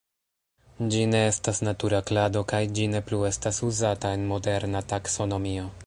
Ĝi ne estas natura klado kaj ĝi ne plu estas uzata en moderna taksonomio.